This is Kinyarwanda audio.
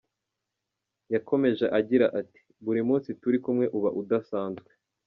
Yakomeje agira ati “Buri munsi turi kumwe uba udasanzwe.